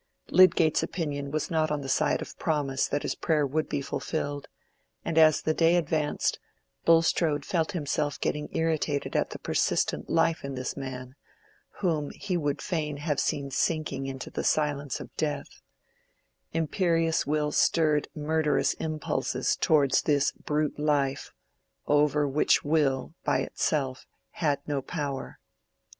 Lydgate's opinion was not on the side of promise that this prayer would be fulfilled; and as the day advanced, Bulstrode felt himself getting irritated at the persistent life in this man, whom he would fain have seen sinking into the silence of death: imperious will stirred murderous impulses towards this brute life, over which will, by itself, had no power.